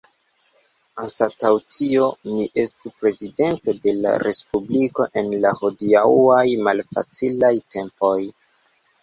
Anstataŭ tio mi estu prezidento de la respubliko en la hodiaŭaj malfacilaj tempoj.